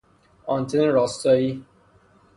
آنتن راستایی